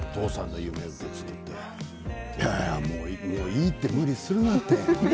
いやいやもういいって、無理すんなって。